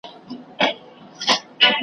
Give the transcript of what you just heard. حرص او تمي وو تر دامه راوستلی .